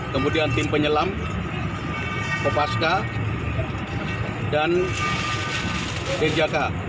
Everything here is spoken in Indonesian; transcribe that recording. kemudian tim penyelam kopaska dan denjaka